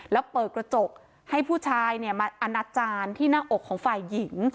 แล้วเปิดกระจกให้ผู้ชายมาอนาจารย์ที่หน้าอกของฝ่ายหญิง